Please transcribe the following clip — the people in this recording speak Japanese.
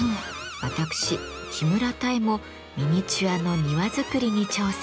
私木村多江もミニチュアの庭作りに挑戦。